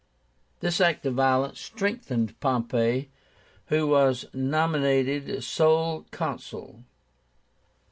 This act of violence strengthened Pompey, who was nominated sole Consul.